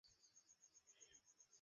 তুমি রেডি থাকো।